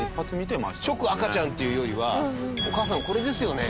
直、赤ちゃんっていうよりはお母さん、これですよね？